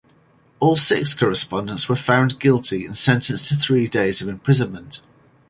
All six correspondents were found guilty and sentenced to three days of imprisonment.